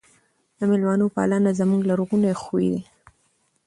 د مېلمنو پالنه زموږ لرغونی خوی دی.